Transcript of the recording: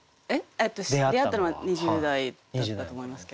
出会ったのは２０代だったと思いますけど。